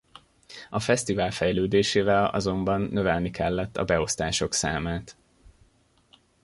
A fesztivál fejlődésével azonban növelni kellett a beosztások számát.